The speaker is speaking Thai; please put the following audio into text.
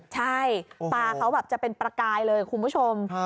ใช่ตาเขาแบบจะเป็นประกายเลยคุณผู้ชม